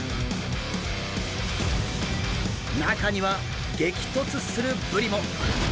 中には激突するブリも！